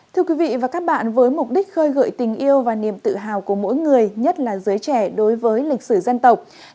thưa quý vị và các bạn với mục đích khơi gợi tình yêu và niềm tự hào của mỗi người nhất là giới trẻ đối với lịch sử dân tộc